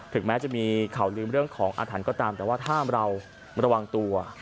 แม้จะมีข่าวลืมเรื่องของอาถรรพ์ก็ตามแต่ว่าถ้าเราระวังตัว